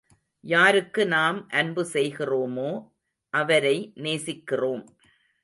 யாருக்கு நாம் அன்பு செய்கிறோமோ, அவரை நேசிக்கிறோம்.